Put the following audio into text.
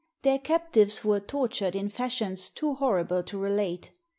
Their captives were tor tured in fashions too horrible to relate.